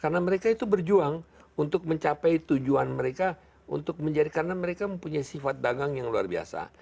karena mereka itu berjuang untuk mencapai tujuan mereka untuk menjadi karena mereka mempunyai sifat dagang yang luar biasa